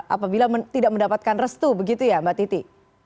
apabila tidak mendapatkan restu begitu ya mbak titi